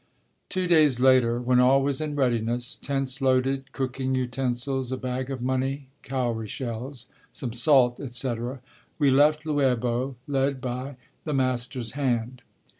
Two days later, when all was in readiness, tents loaded, cooking utensils, a bag of money (cowrie shells), some salt, etc., we left Luebo, led by the Master's hand.